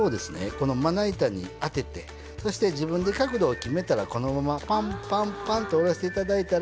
このまな板に当ててそして自分で角度を決めたらこのままパンパンパンと下ろしていただいたら。